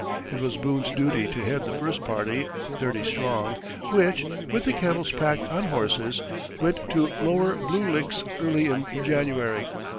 It was Boone's duty to head the first party, thirty strong, which, with the kettles packed on horses, went to Lower Blue Licks early in January.